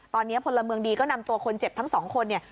ตอนนี้พลเมืองดีก็นำตัวคนเจ็บทั้งสองคนเนี่ย